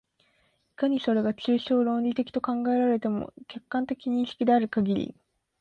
いかにそれが抽象論理的と考えられても、客観的認識であるかぎり、